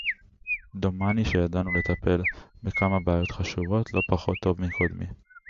דומני שידענו גם לטפל בכמה בעיות חשובות לא פחות טוב מקודמי